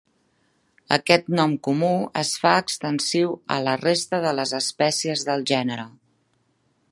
Aquest nom comú es fa extensiu a la resta de les espècies del gènere.